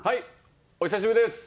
お久しぶりです。